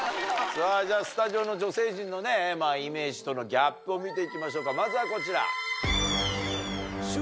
じゃスタジオの女性陣のねイメージとのギャップを見ていきましょうかまずはこちら。